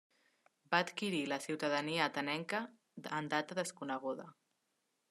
Va adquirir la ciutadania atenenca en data desconeguda.